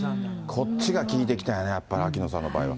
こっちが効いてきたんやね、やっぱり、秋野さんの場合は。